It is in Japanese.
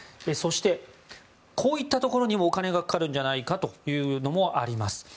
そして、こういったところにもお金がかかるんじゃないかというのもあります。